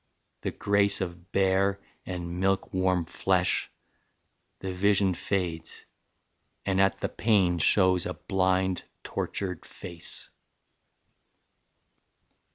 the grace Of bare and milk warm flesh: the vision fades, And at the pane shows a blind tortured face."